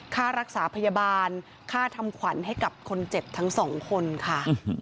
ค่ารักษาพยาบาลค่าทำขวัญให้กับคนเจ็บทั้งสองคนค่ะ